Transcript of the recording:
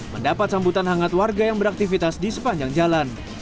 mendapat sambutan hangat warga yang beraktivitas di sepanjang jalan